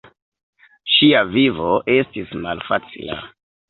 Ŝia vivo estis malfacila.